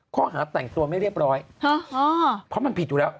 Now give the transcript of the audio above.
ข้อหาแต่งตัวไม่เรียบร้อยเพราะมันผิดอยู่แล้ว